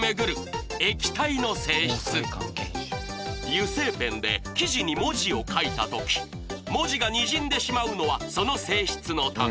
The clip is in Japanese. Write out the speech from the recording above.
油性ペンで生地に文字を書いた時文字がにじんでしまうのはその性質のため。